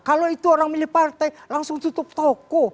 kalau itu orang milih partai langsung tutup toko